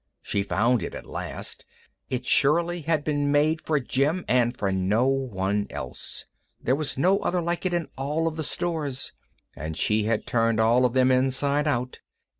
She found it at last. It surely had been made for Jim and no one else. There was no other like it in any of the stores, and she had turned all of them inside out.